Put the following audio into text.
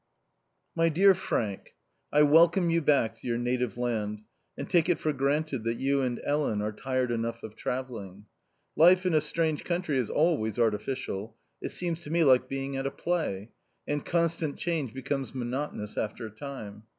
My dear Frank, — I welcome you back to your native land, and take it for granted that you and Ellen are tired enough of travelling. Life in a strange country is always artificial — it seems to me like being at a play — and constant change becomes monotonous after a time.